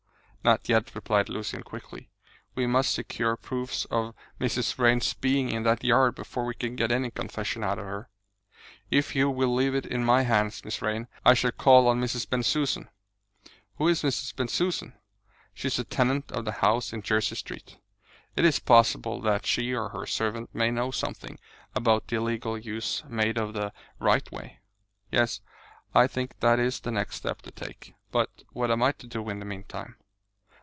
"Not yet," replied Lucian quickly. "We must secure proofs of Mrs. Vrain's being in that yard before we can get any confession out of her. If you will leave it in my hands, Miss Vrain, I shall call on Mrs. Bensusan." "Who is Mrs. Bensusan?" "She is the tenant of the house in Jersey Street. It is possible that she or her servant may know something about the illegal use made of the right of way." "Yes, I think that is the next step to take. But what am I to do in the meantime?"